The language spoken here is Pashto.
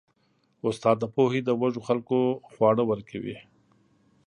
استاد د پوهې د وږو خلکو خواړه ورکوي.